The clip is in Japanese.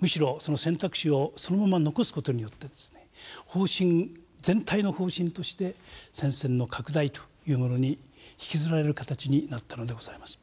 むしろその選択肢をそのまま残す事によって全体の方針として戦線の拡大というものに引きずられる形になったのでございます。